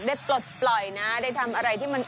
ปลดปล่อยนะได้ทำอะไรที่มัน